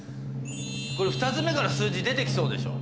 これ２つ目から数字出て来そうでしょ。